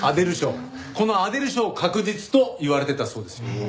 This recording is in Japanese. このアデル賞確実と言われてたそうですよ。